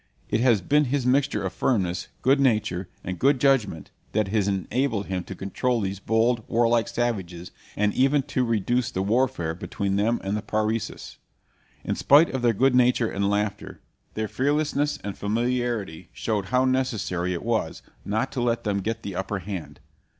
It has been his mixture of firmness, good nature, and good judgment that has enabled him to control these bold, warlike savages, and even to reduce the warfare between them and the Parecis. In spite of their good nature and laughter, their fearlessness and familiarity showed how necessary it was not to let them get the upper hand.